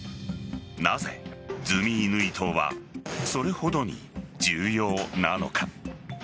なぜ、ズミイヌイ島はそれほどに重要なのか。